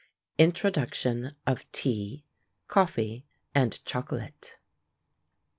INTRODUCTION OF TEA, COFFEE, AND CHOCOLATE.